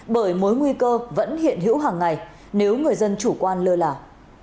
bởi mối nguy cơ vẫn hiện hữu hàng ngày nếu người dân chủ quan lơ là